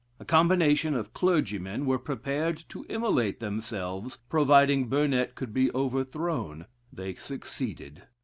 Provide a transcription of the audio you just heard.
A combination of clergymen were prepared to immolate themselves providing Burnet could be overthrown. They succeeded.